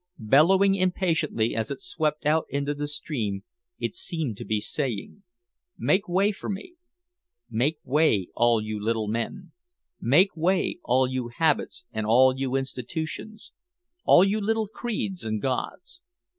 Bellowing impatiently as it swept out into the stream, it seemed to be saying: "Make way for me. Make way, all you little men. Make way, all you habits and all you institutions, all you little creeds and gods.